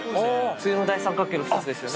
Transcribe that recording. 冬の大三角形のやつですよね。